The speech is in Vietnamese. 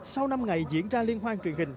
sau năm ngày diễn ra liên hoan truyền hình